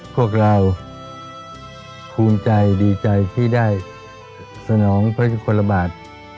พวกเราภูมิใจดีใจที่ได้สนองพระยุคลบาท